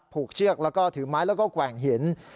เชือกแล้วก็ถือไม้แล้วก็แกว่งหิน